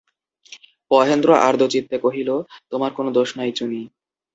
মহেন্দ্র আর্দ্রচিত্তে কহিল, তোমার কোনো দোষ নাই, চুনি।